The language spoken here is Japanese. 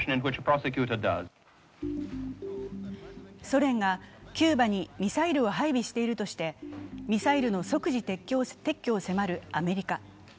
ソ連がキューバにミサイルを配備しているとして、ミサイルの即時撤去を迫るアメリカ。